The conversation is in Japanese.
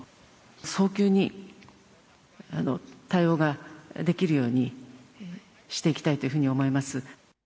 早急に対応ができるようにしていきたいというふうに思います。